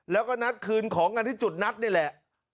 แล้วก็นัดคืนของกันที่จุดนัดนี่แหละ